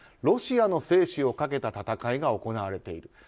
ロシアの生死をかけた戦いが行われている。